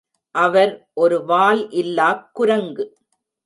அவர் ஒரு வால் இல்லாக் குரங்கு!